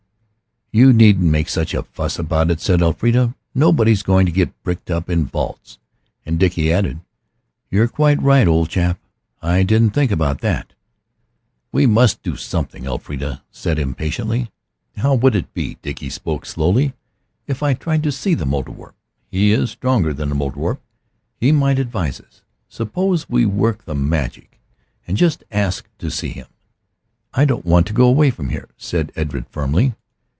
"You needn't make such a fuss about it," said Elfrida, "nobody's going to get bricked up in vaults." And Dickie added, "You're quite right, old chap. I didn't think about that." "We must do something," Elfrida said impatiently. "How would it be," Dickie spoke slowly, "if I tried to see the Mouldierwarp? He is stronger than the Mouldiwarp. He might advise us. Suppose we work the magic and just ask to see him?" "I don't want to go away from here," said Edred firmly.